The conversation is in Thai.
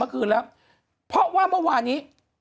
คุณหนุ่มกัญชัยได้เล่าใหญ่ใจความไปสักส่วนใหญ่แล้ว